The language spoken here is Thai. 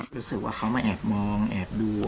รู้สึกว่าเขามาแอบมองแอบดู